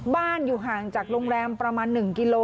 อยู่ห่างจากโรงแรมประมาณ๑กิโล